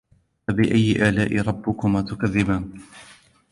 فَبِأَيِّ آلَاءِ رَبِّكُمَا تُكَذِّبَانِ